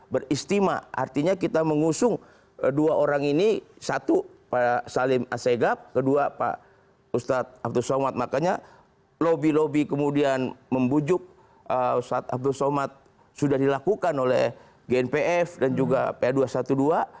beristimewa artinya kita mengusung dua orang ini satu pak salim asegab kedua pak ustadz abdul somad makanya lobby lobby kemudian membujuk ustadz abdul somad sudah dilakukan oleh gnpf dan juga pa dua ratus dua belas